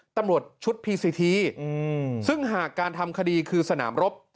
ตำรวจชุดพีซีทีซึ่งหากการทำคดีคือสนามรบ